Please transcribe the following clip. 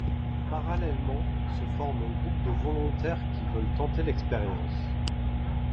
Parallèlement, se forme un groupe de volontaires qui veulent tenter l'expérience.